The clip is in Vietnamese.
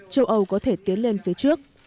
châu âu có thể tiến lên phía trước